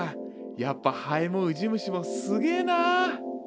やっぱハエもウジ虫もすげえな。